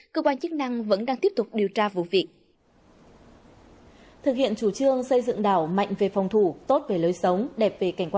cơ quan chức năng vẫn đang tiếp tục điều tra vụ việc